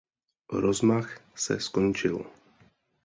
Rozmach se skončil.